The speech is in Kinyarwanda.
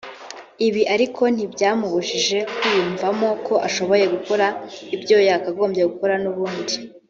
Ibi ariko ntibyamubujije kwiyumvamo ko ashoboye gukora ibyo yakagombye gukora n’ubundi